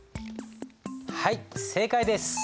はい正解です。